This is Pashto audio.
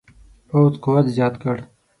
پوځ قوت زیات کړ.